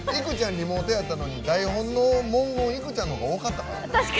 リモートやったのに台本の文言いくちゃんのほうが多かったから。